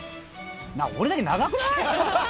俺だけ長くない！？